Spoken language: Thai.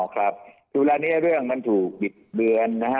อ๋อครับดูแล้วเนี่ยเรื่องมันถูกบิดเบือนนะฮะ